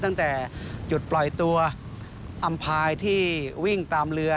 ตั้งแต่จุดปล่อยตัวอำพายที่วิ่งตามเรือ